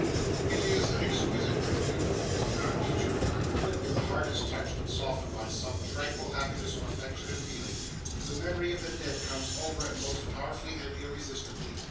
It is an exquisite and beautiful thing in our nature, that when the heart is touched and softened by some tranquil happiness or affectionate feeling, the memory of the dead comes over it most powerfully and irresistibly.